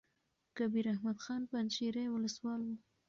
کبیر احمد خان پنجشېري ولسوال وو.